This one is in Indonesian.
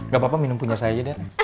gapapa minum punya saya aja deh